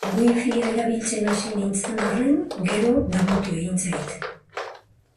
Wifia erabiltzen hasi nintzen arren, gero damutu egin zait.